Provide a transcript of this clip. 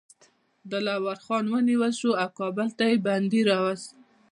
دلاور خان ونیول شو او کابل ته یې بندي راووست.